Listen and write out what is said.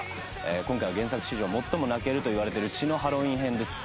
今回は原作史上最も泣けるといわれている『血のハロウィン編』です。